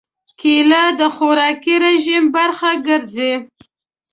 کېله د خوراکي رژیم برخه ګرځي.